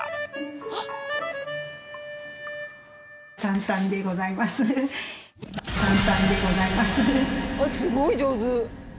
あっすごい上手！